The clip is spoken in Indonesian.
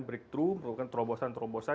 breakthrough melakukan terobosan terobosan